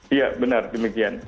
iya benar demikian